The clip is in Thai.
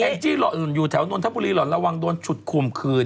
แอ็นจี้อยู่แถวนทบุรีอ่อนระวังต้นชุดื้มคืน